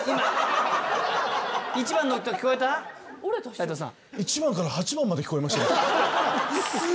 斉藤さん。